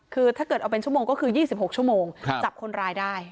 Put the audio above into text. คือถ้าเกิดเอาเป็นชั่วโมงก็คือ๒๖ชั่วโมงจับคนร้ายได้